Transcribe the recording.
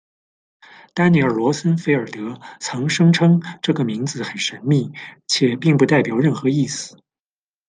丹尼尔·罗森菲尔德曾声称“这个名字很神秘，且并不代表任何意思”。